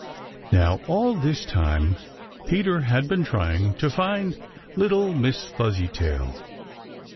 Now all this time Peter had been trying to find little Miss Fuzzytail.